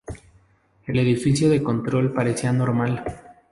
El edificio de control parecía normal.